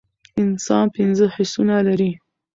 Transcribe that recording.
انسان پنځه حسونه لری